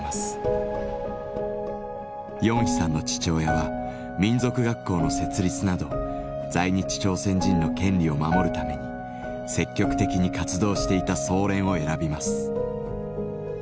ヨンヒさんの父親は民族学校の設立など在日朝鮮人の権利を守るために積極的に活動していた総連を選びます。